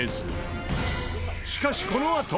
しかしこのあと。